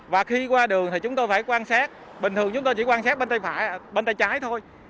và khi qua đường thì chúng tôi phải quan sát bình thường chúng tôi chỉ quan sát bên tay trái thôi